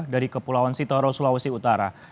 dari kepulauan sitoro sulawesi utara